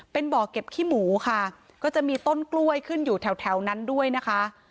เป็นบ่อเก็บขี้หมูค่ะก็จะมีต้นกล้วยขึ้นอยู่แถวแถวนั้นด้วยนะคะ